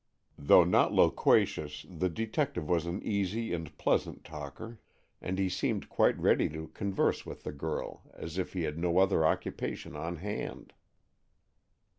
Though not loquacious, the detective was an easy and pleasant talker, and he seemed quite ready to converse with the girl as if he had no other occupation on hand.